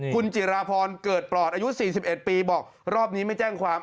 คุณจิราพรเกิดปลอดอายุ๔๑ปีบอกรอบนี้ไม่แจ้งความ